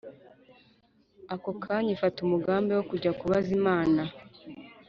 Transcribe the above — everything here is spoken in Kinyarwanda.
Ako kanya ifata umugambi wo kujya kubaza Imana